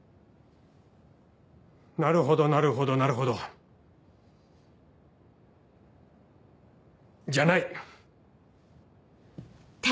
なるほどなるほどなるほど。じゃない。